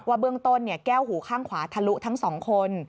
เบื้องต้นแก้วหูข้างขวาทะลุทั้ง๒คน